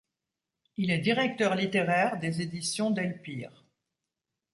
Il est directeur littéraire des éditions Delpire.